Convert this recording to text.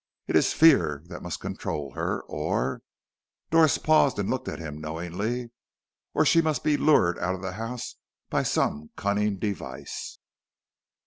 It is fear that must control her, or " Doris paused and looked at him knowingly "or she must be lured out of the house by some cunning device."